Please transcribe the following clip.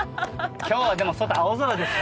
今日はでも外青空ですからね。